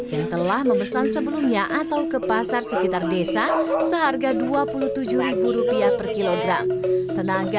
yang telah memesan sebelumnya atau ke pasar sekitar desa seharga dua puluh tujuh rupiah per kilogram tenaga